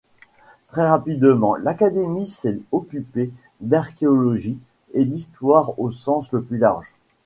Très rapidement, l'Académie s'est occupé d'archéologie et d'histoire au sens le plus large.